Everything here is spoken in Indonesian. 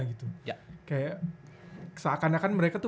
kayak seakan akan mereka tuh